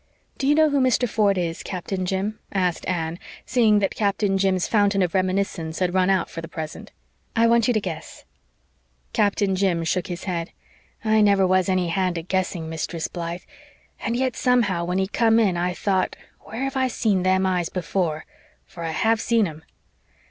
"Do you know who Mr. Ford is, Captain Jim?" asked Anne, seeing that Captain Jim's fountain of reminiscence had run out for the present. "I want you to guess." Captain Jim shook his head. "I never was any hand at guessing, Mistress Blythe, and yet somehow when I come in I thought, 'Where have I seen them eyes before?' for I HAVE seen 'em."